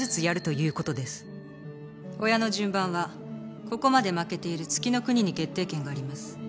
親の順番はここまで負けている月ノ国に決定権があります。